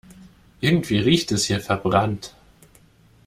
Irgendwie riecht es hier verbrannt.